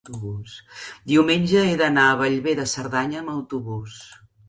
diumenge he d'anar a Bellver de Cerdanya amb autobús.